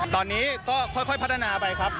ตอนนี้ก็ค่อยพัฒนาไปครับ